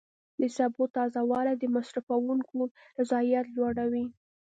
د سبو تازه والی د مصرفونکو رضایت لوړوي.